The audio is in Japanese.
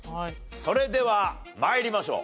それでは参りましょう。